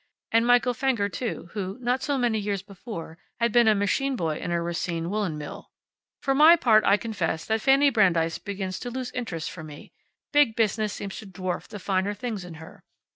And Michael Fenger too who, not so many years before, had been a machine boy in a Racine woolen mill. For my part, I confess that Fanny Brandeis begins to lose interest for me. Big Business seems to dwarf the finer things in her.